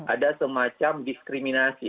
ada semacam diskriminasi